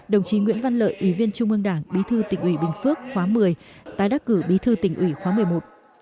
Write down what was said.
đồng chí nguyễn văn lợi ủy viên trung ương đảng bí thư tỉnh ủy bình phước khóa một mươi tái đắc cử bí thư tỉnh ủy khóa một mươi một